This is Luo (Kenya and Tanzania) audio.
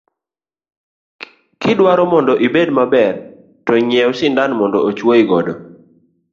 Kidwaro mondo ibed maber, to ngiiew sindan mondo ochuoyi godo.